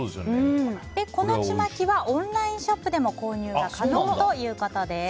このちまきはオンラインショップでも購入が可能ということです。